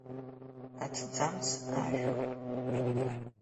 Аҭӡамц ахьу?